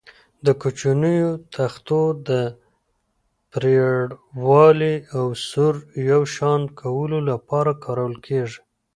د کوچنیو تختو د پرېړوالي او سور یو شان کولو لپاره کارول کېږي.